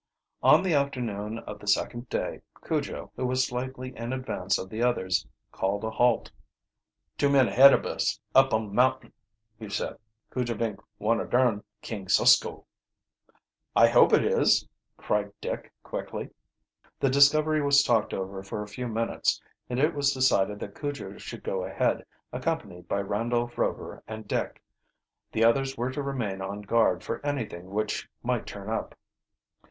On the afternoon of the second day Cujo, who was slightly in advance of the others, called a halt. "Two men ahead ob us, up um mountain," he said. "Cujo Vink one of dern King Susko." "I hope it is!" cried Dick quickly. The discovery was talked over for a few minutes, and it was decided that Cujo should go ahead, accompanied by Randolph Rover and Dick. The others were to remain on guard for anything which might turn up.